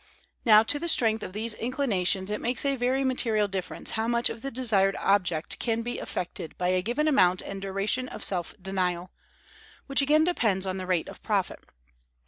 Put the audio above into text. Now, to the strength of these inclinations it makes a very material difference how much of the desired object can be effected by a given amount and duration of self denial; which again depends on the rate of profit.